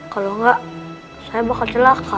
kalau enggak saya bakal celaka